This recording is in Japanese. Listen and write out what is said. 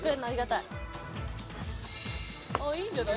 いいんじゃない？